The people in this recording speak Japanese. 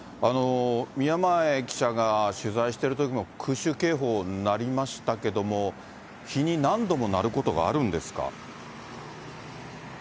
宮前記者が取材しているときも空襲警報なりましたけれども、日に何度も鳴ることがあるんですか？